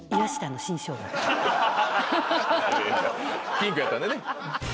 ピンクやったんでね。